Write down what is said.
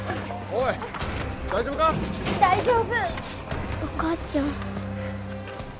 お母ちゃん。